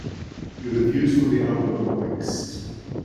Reviews for the album are mixed.